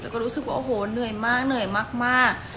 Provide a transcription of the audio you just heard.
แล้วก็รู้สึกว่าโอ้โหเหนื่อยมากเหนื่อยมาก